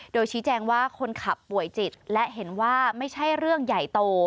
โดยชี้แจงว่าคนขับป่วยจิตและเห็นว่าไม่ใช่เรื่องใหญ่โต